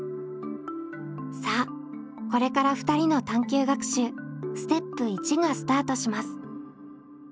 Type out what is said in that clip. さあこれから２人の探究学習ステップ１がスタートします。